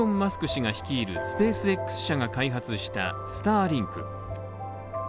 氏が率いるスペースＸ社が開発したスターリンク。